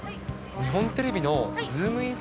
日本テレビのズームイン！！